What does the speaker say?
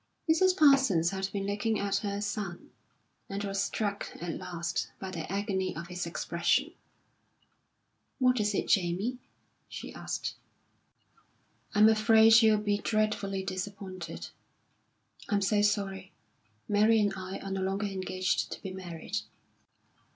Mrs. Parsons had been looking at her son, and was struck at last by the agony of his expression. "What is it, Jamie?" she asked. "I'm afraid you'll be dreadfully disappointed. I'm so sorry Mary and I are no longer engaged to be married."